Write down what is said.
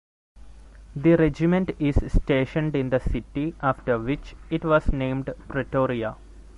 The Regiment is stationed in the city after which it was named, Pretoria.